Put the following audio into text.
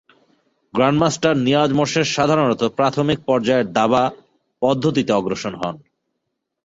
Grand master Niaz Morshed সাধারণতঃ প্রাথমিক পর্যায়ের দাবা পদ্ধতিতে অগ্রসর হন।